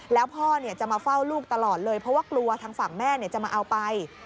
แล้วพ่อจะมาเฝ้าลูกตลอดเลยเพราะว่ากลัวทางฝั่งแม่จะมาเอาไป